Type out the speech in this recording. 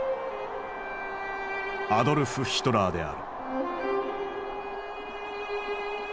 アドルフ・ヒトラーである。